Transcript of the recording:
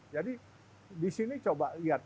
jadi di sini coba lihat